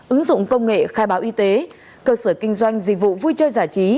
ứng dụng công nghệ khai báo y tế cơ sở kinh doanh dịch vụ vui chơi giải trí